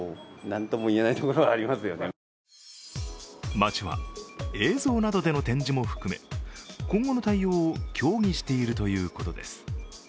町は映像などでの展示も含め今後の対応を協議しているということです。